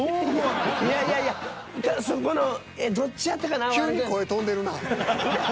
いやいやいやそこのえっどっちやったかな。